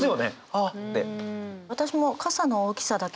「ああ」って。